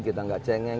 kita gak cengeng